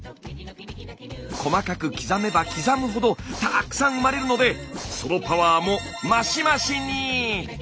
細かく刻めば刻むほどたくさん生まれるのでそのパワーも増し増しに！